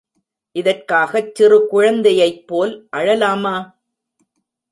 இதற்காகச் சிறு குழந்தையைப் போல் அழலாமா?......